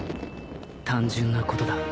単純なことだ